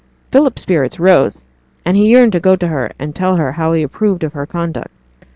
Philip's spirits rose, and he yearned to go to her and tell her how he approved of her conduct.